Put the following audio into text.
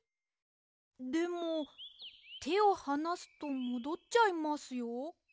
でもてをはなすともどっちゃいますよ。え？